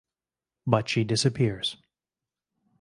But she disappears.